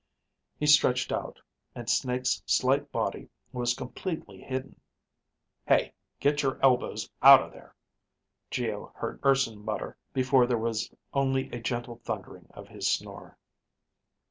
He stretched out, and Snake's slight body was completely hidden. "Hey, get your elbows out of there," Geo heard Urson mutter before there was only a gentle thundering of his snore.